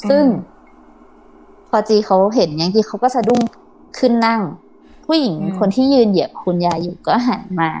ซึ่งพอจีเขาเห็นอย่างนี้เขาก็สะดุ้งขึ้นนั่งผู้หญิงคนที่ยืนเหยียบคุณยายอยู่ก็หันมา